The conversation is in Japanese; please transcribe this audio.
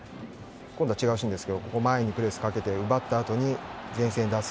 今度は違うシーンですが前にプレスをかけて奪ったあとに前線に出す。